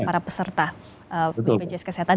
para peserta bpjs kesehatan